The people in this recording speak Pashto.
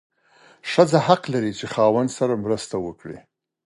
ښځه حق لري چې خاوند سره مرسته وکړي.